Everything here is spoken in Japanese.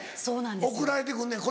そうなんですよ。